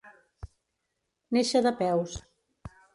Néixer de peus.